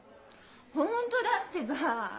本当だってば！